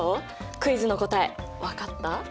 クイズの答え分かった？